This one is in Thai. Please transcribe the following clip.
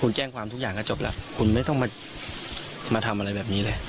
คุณแจ้งความทุกอย่างก็จบแล้วคุณไม่ต้องมาทำอะไรแบบนี้เลย